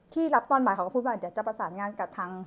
รับตอนบ่ายเขาก็พูดว่าเดี๋ยวจะประสานงานกับทาง